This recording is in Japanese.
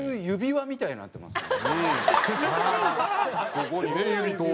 ここにね指通す。